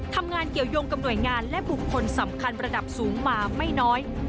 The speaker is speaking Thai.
ทำงานเกี่ยวยงกับหน่วยงานและบุคคลสำคัญระดับสูงมาไม่น้อย